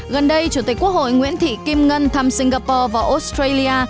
gần đây chủ tịch quốc hội nguyễn thị kim ngân thăm singapore và australia